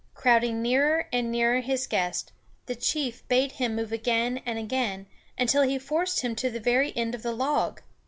Crowding nearer and nearer his guest, the chief bade him move again and again, until he forced him to the very end of the log.